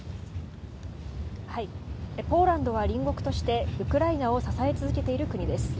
ポーランドは隣国としてウクライナを支え続けている国です。